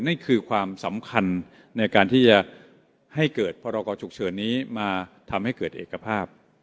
นั่นคือความสำคัญในการที่จะให้เกิดพรกรฉุกเฉินนี้มาทำให้เกิดเอกภาพ